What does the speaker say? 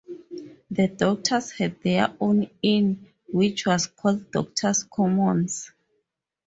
The Doctors had their own Inn, which was called Doctors' Commons.